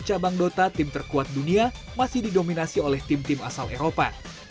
cabang dota tim terkuat dunia masih didominasi oleh tim tim asal eropa